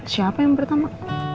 siapa yang pertama